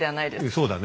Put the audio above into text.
そうだね。